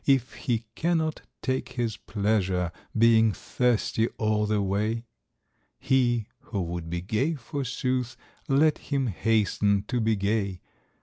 If he cannot take his pleasure, Being thirsty all the way ? He who would be gay, forsooth, Let him hasten to be gay.